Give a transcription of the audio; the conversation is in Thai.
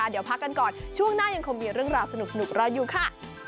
เดี๋ยวพักกันก่อนช่วงหน้ายังคงมีเรื่องราวสนุกรออยู่ค่ะ